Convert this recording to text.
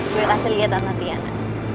gue kasih liat tante riana